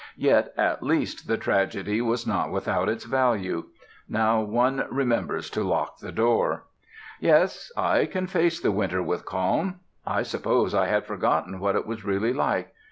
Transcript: Yet at least the tragedy was not without its value. Now one remembers to lock the door. Yes, I can face the winter with calm. I suppose I had forgotten what it was really like.